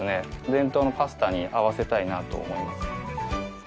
伝統のパスタに合わせたいなと思います。